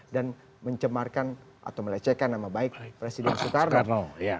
dan mencemarkan atau melecehkan nama baik presiden soekarno